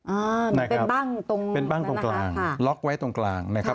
ไหนเป็นบ้างตรงเป็นบ้างตรงกลางล็อกไว้ตรงกลางนะครับ